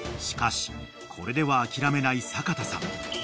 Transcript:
［しかしこれでは諦めない阪田さん］